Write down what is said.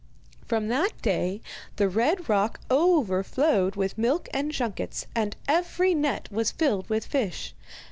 From that day the red rock overflowed with milk and junkets, and every net was filled with fish.